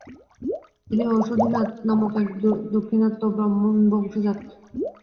তিনি ওষধিনাথ নামক এক দাক্ষিণাত্য ব্রাহ্মণবংশ জাত।